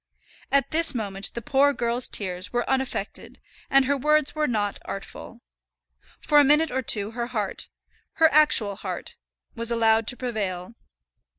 At this moment the poor girl's tears were unaffected, and her words were not artful. For a minute or two her heart, her actual heart, was allowed to prevail.